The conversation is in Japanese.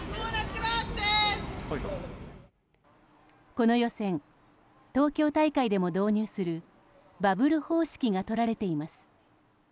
この予選東京大会でも導入するバブル方式がとられています。